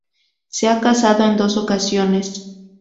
Se ha casado en dos ocasiones.